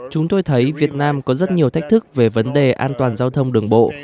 chúng tôi thấy việt nam có rất nhiều thách thức về vấn đề an toàn giao thông đường bộ